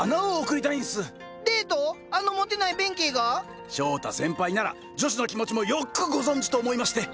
あのモテない弁慶が⁉翔太先輩なら女子の気持ちもよっくご存じと思いまして。